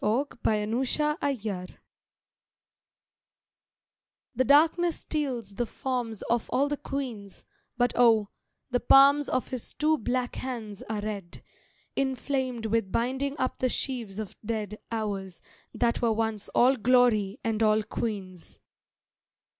FIRELIGHT AND NIGHTFALL THE darkness steals the forms of all the queens, But oh, the palms of his two black hands are red, Inflamed with binding up the sheaves of dead Hours that were once all glory and all queens.